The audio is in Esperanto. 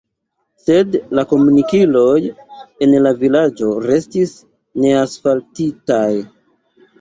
Sed la komunikiloj en la vilaĝo restis neasfaltitaj.